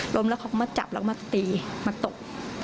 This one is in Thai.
ล้มแล้วเขาก็มาจับแล้วมาตีมาตบ